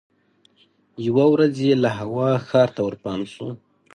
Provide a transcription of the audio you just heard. یوه ورځ یې له هوا ښار ته ورپام سو